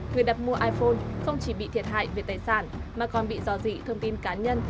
người đặt mua iphone không chỉ bị thiệt hại về tài sản mà còn bị dò dị thông tin cá nhân